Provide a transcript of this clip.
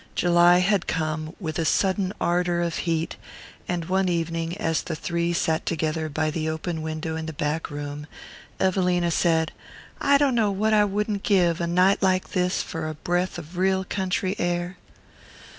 July had come, with a sudden ardour of heat, and one evening, as the three sat together by the open window in the back room, Evelina said: "I dunno what I wouldn't give, a night like this, for a breath of real country air."